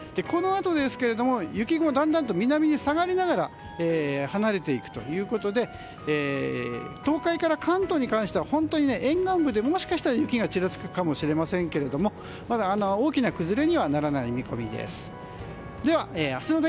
このあと、雪雲はだんだんと南に下がりながら離れていくということで東海から関東に関しては本当に沿岸部でもしかしたら雪がちらつくかもしれませんが大きな崩れにはならない見込みです。